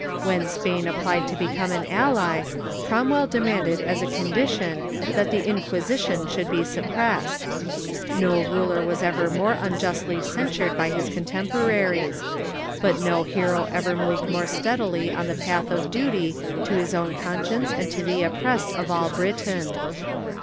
When Spain applied to become an ally, Cromwell demanded as a condition that the Inquisition should be suppressed. No ruler was ever more unjustly censured by his contem})oraries. But no hero ever moved more steadily in the path of duty to his own conscience and to the oppressed of all Britain.